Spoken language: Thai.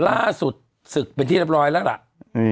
ล่าสุดศึกเป็นที่เรียบร้อยแล้วล่ะ